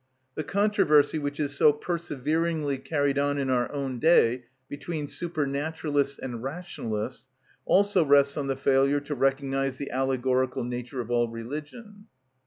The controversy which is so perseveringly carried on in our own day between supernaturalists and rationalists also rests on the failure to recognise the allegorical nature of all religion.